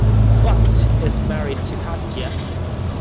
Butt is married to Katja.